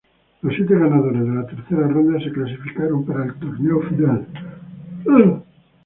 Los siete ganadores de la tercera ronda se clasificaron para el torneo final.